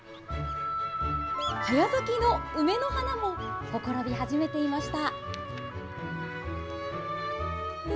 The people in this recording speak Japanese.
早咲きのウメの花もほころび始めていました。